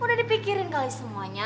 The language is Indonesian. udah dipikirin kali semuanya